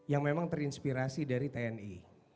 yang memang terinspirasi dari tni